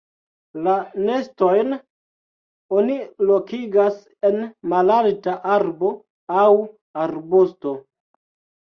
La nestojn oni lokigas en malalta arbo aŭ arbusto.